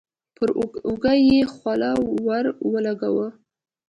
پر اوږه يې خوله ور ولګوله.